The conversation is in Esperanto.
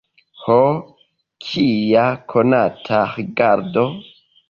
Ho, kia konata rigardo!